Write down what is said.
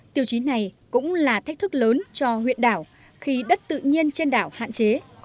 tiêu chí này cũng là thách thức lớn cho huyện đảo khi đất tự nhiên trên đảo hạn chế